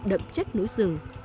đậm chất núi rừng